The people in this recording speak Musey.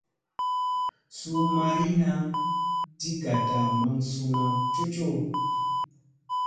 Suu mariina di gaɗta maŋ suuna cocoo.